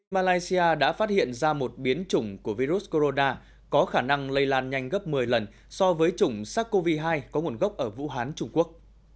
malaysia đã phát hiện ra một biến chủng của virus corona có khả năng lây lan nhanh gấp một mươi lần so với chủng sars cov hai có nguồn gốc ở vũ hán trung quốc